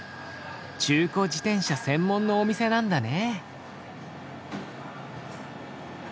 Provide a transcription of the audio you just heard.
中古自転車専門のお店なんだね。